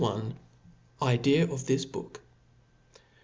L Idea of this Book.